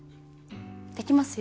できますよ。